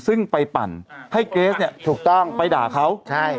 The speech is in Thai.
ซึ่งไปปั่นให้เกรสเนี่ยไปด่าเขา